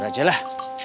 sayur aja lah